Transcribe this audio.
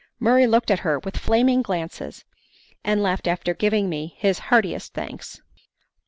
Murray looked at her with flaming glances, and left after giving me his heartiest thanks.